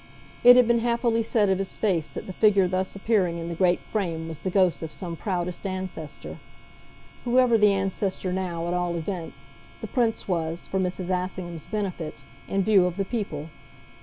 It had been happily said of his face that the figure thus appearing in the great frame was the ghost of some proudest ancestor. Whoever the ancestor now, at all events, the Prince was, for Mrs. Assingham's benefit, in view of the people.